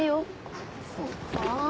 そっか。